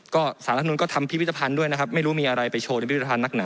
ก็สสรภัณฑ์ผู้กลุ่นก็ทำพิวิตภัณฑ์ด้วยนะครับไม่รู้มีอะไรไปโชว์